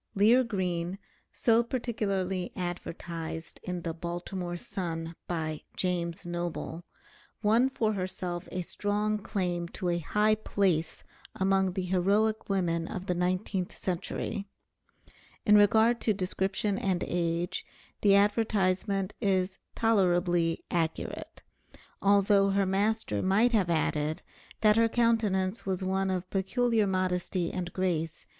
Lear Green, so particularly advertised in the "Baltimore Sun" by "James Noble," won for herself a strong claim to a high place among the heroic women of the nineteenth century. In regard to description and age the advertisement is tolerably accurate, although her master might have added, that her countenance was one of peculiar modesty and grace.